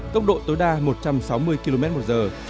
tốc độ tối đa một trăm sáu mươi km một giờ